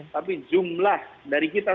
tapi jumlah dari kita